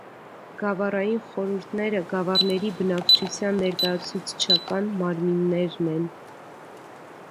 Գավառային խորհուրդները գավառների բնակչության ներկայացուցչական մարմիններն են։